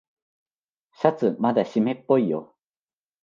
シャツまだしめっぽいよ。